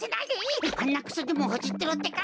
はなくそでもほじってろってか！